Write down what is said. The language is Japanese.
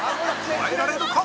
耐えられるか！？